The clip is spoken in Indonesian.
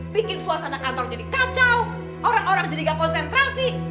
bikin suasana kantor jadi kacau orang orang jadi gak konsentrasi